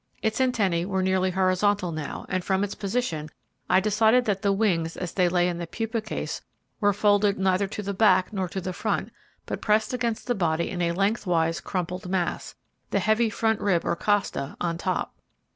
Its antennae were nearly horizontal now, and from its position I decided that the wings as they lay in the pupa case were folded neither to the back nor to the front, but pressed against the body in a lengthwise crumpled mass, the heavy front rib, or costa, on top.